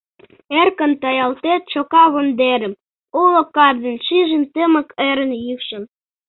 Эркын таялтет чока вондерым, Уло кап ден шижын тымык эрын йӱкшым.